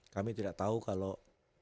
kami tidak tahu kalau